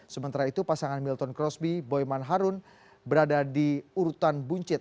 sementara itu pasangan milton crossby boyman harun berada di urutan buncit